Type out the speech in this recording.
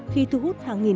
khi thu hút hàng nghìn